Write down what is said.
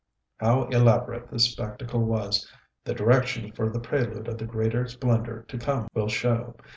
How elaborate this spectacle was, the directions for the prelude of the greater splendor to come will show.